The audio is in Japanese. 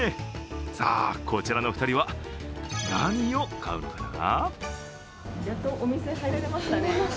さあ、こちらの２人は何を買うのかな？